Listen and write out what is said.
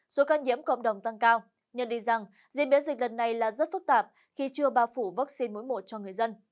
số ca nhiễm cộng đồng tăng cao nhận định rằng diễn biến dịch lần này là rất phức tạp khi chưa bảo phủ vaccine mũi một cho người dân